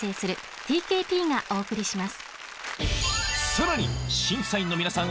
［さらに審査員の皆さん